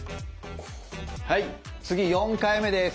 はい次４回目です。